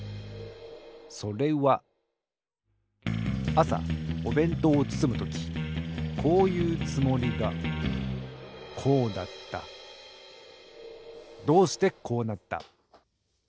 それはあさおべんとうをつつむときこういうつもりがこうだったどうしてこうなった？